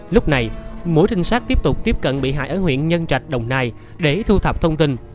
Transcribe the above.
lúc này mũi trinh sát tiếp tục tiếp cận bị hại ở huyện nhân trạch đồng nai để thu thập thông tin